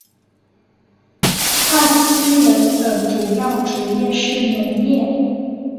帕基人的主要职业是农业。